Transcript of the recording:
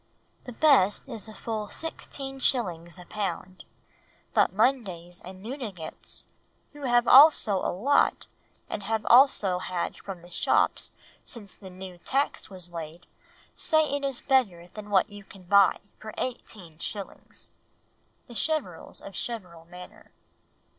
The best is full 16s. a pound, but Mundays and Newdigates who have also a lot and have also had from the shops since the new tax was laid, say it is better than what you can buy for 18s." (_The Cheverels of Cheverel Manor.